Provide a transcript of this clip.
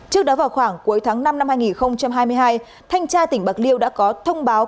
trước đó vào khoảng cuối tháng năm năm hai nghìn hai mươi hai thanh tra tỉnh bạc liêu đã có thông báo